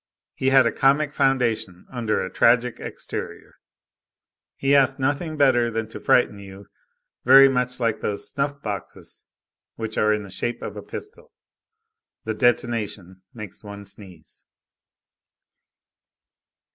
He had a comic foundation under a tragic exterior, he asked nothing better than to frighten you, very much like those snuff boxes which are in the shape of a pistol. The detonation makes one sneeze.